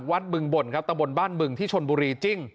วัดบึงบ่นครับตำรวจบ้านบึงที่ชนบุรีจริง